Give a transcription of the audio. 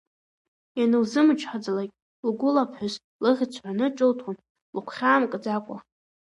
Ианылзымычҳаӡалак, лгәылаԥҳәыс лыхьӡ ҳәаны ҿылҭуан, лыгәхьаа мкӡакәа…